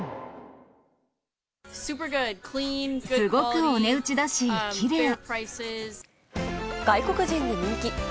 すごくお値打ちだし、きれい。